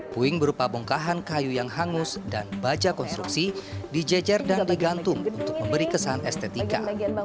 puing berupa bongkahan kayu yang hangus dan baja konstruksi dijejer dan digantung untuk memberi kesan estetika